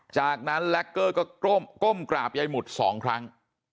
จากนั้นแล็กเกอร์ก็ก้มกราบยายหมุด๒ครั้ง